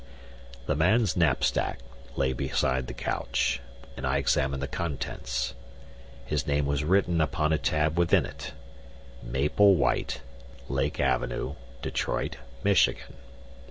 "The man's knapsack lay beside the couch, and I examined the contents. His name was written upon a tab within it Maple White, Lake Avenue, Detroit, Michigan.